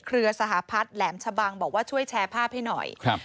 สหพัฒน์แหลมชะบังบอกว่าช่วยแชร์ภาพให้หน่อยครับ